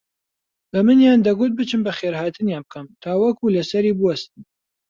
بەمنیان دەگوت بچم بەخێرهاتنیان بکەم تاوەکو لەسەری بووەستن